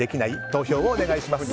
投票をお願いします。